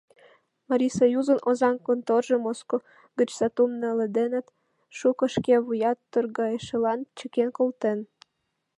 Марисоюзын Озаҥ конторжо Моско гыч сатум наледенат, шуко шке вуя торгайышылан чыкен колтен.